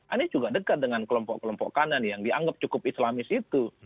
anies juga dekat dengan kelompok kelompok kanan yang dianggap cukup islamis itu